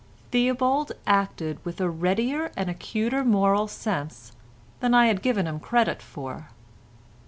Theobald acted with a readier and acuter moral sense than I had given him credit for.